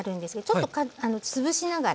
ちょっとつぶしながら。